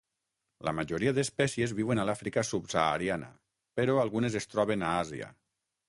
La majoria d'espècies viuen a l'Àfrica subsahariana, però algunes es troben a Àsia.